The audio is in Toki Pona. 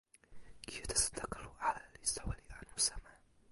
kijetesantakalu ale li soweli anu seme?